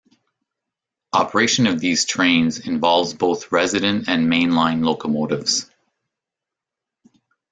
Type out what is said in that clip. Operation of these trains involves both resident and mainline locomotives.